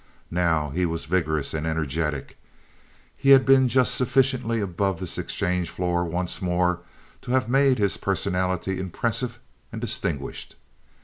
Now he was vigorous and energetic. He had been just sufficiently about this exchange floor once more to have made his personality impressive and distinguished.